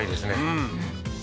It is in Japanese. うん